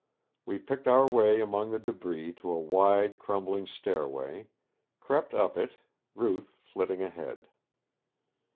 We picked our way among the debris to a wide crumbling stairway, crept up it, Ruth flitting ahead.